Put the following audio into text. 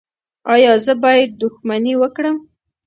ایا زه باید دښمني وکړم؟